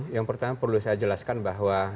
yang pertama perlu saya jelaskan bahwa